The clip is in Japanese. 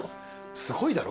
すごいだろ？